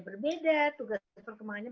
berbeda tugas perkembangannya